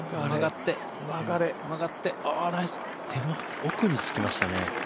奥につきましたね。